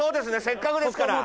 せっかくですから。